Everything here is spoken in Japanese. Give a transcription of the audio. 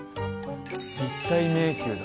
立体迷宮だ